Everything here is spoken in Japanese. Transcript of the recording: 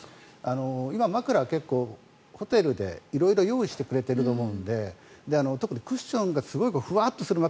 今、枕は結構ホテルで色々用意してくれていると思うので特にクッションがすごいふわっとする枕